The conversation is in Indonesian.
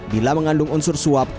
bila mengandung unsur suap